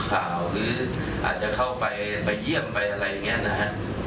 ไปทำข่าวหรืออาจจะเข้าไปเยี่ยมไปอะไรอย่างนี้นะครับ